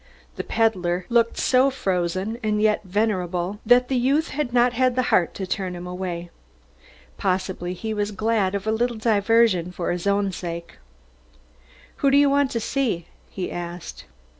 The peddler looked so frozen and yet so venerable that the youth had not the heart to turn him away. Possibly he was glad of a little diversion for his own sake. "Who do you want to see?" he asked.